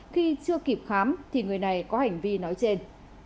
khi chưa kịp khám thì người này có hành vi nói trên